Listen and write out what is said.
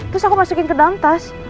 terus aku masukin ke dalam tas